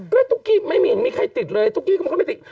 ก็ตุ๊กกี้ไม่มีมีใครติดเลยตุ๊กกี้มันก็ไม่ติด